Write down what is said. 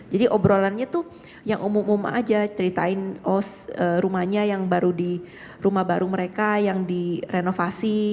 jadi obrolannya tuh yang umum umum aja ceritain rumahnya yang baru di rumah baru mereka yang direnovasi